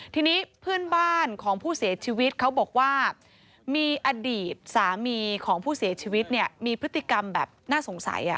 ทีนี้เพื่อนบ้านของผู้เสียชีวิตเขาบอกว่ามีอดีตสามีของผู้เสียชีวิตเนี่ยมีพฤติกรรมแบบน่าสงสัย